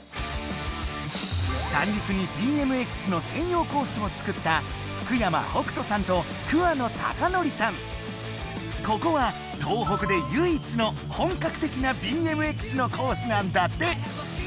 三陸にＢＭＸの専用コースを作ったここは東北で唯一の本格的なＢＭＸのコースなんだって。